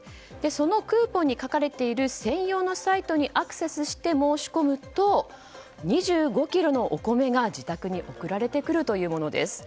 そのクーポンに書かれている専用のサイトにアクセスして申し込むと２５ｋｇのお米が自宅に送られてくるというものです。